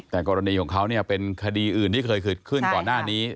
แต่กรณีของเขาเนี่ยเป็นคดีอื่นที่เคยเกิดขึ้นก่อนหน้านี้